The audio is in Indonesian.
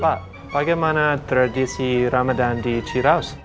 pak bagaimana tradisi ramadan di ciraus